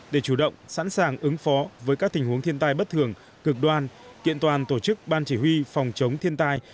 để chủ động sẵn sàng ứng phó với các tình huống thiên tai bất thường cực đoan kiện toàn tổ chức ban chỉ huy phòng chống thiên tai